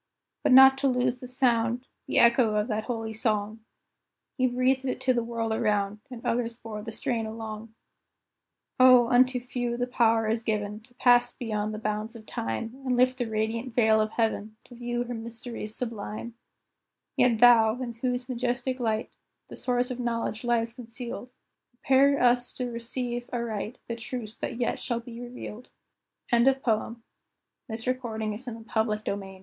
but not to lose the sound, The echo of that holy song; He breathed it to the world around, And others bore the strain along. O, unto few the power is given To pass beyond the bounds of Time, And lift the radiant veil of Heaven, To view her mysteries sublime. Yet Thou, in whose majestic light The Source of Knowledge lies concealed, Prepare us to receive aright The truths that yet shall be revealed. LOVE AND LATIN. Amo amare amavi amatum.